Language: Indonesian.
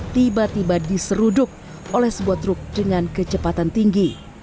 tiba tiba diseruduk oleh sebuah truk dengan kecepatan tinggi